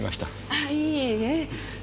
あいいえ。